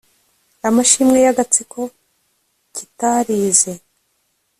Amashimwe yagatsiko kitarize